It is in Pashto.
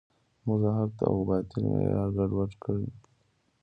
موږ د حق و باطل معیار ګډوډ کړی.